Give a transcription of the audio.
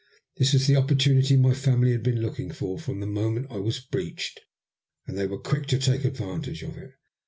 This was the oppor tunity my family had been looking for from the moment I was breeched, and they were quick to take advantage of it.